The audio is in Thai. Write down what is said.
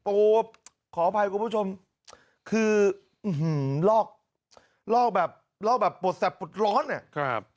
โอ้โหขออภัยคุณผู้ชมคือลอกลอกแบบลอกแบบปวดแสบปวดร้อนเนี่ย